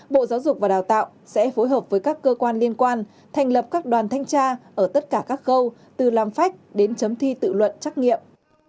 bộ giáo dục và đào tạo sẽ phối hợp với các cơ quan liên quan thành lập các đoàn thanh tra ở tất cả các khâu từ làm phách đến chấm thi tự luận trách nhiệm